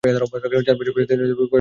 চার বছর বয়সে তিনি করাচিতে চলে আসেন।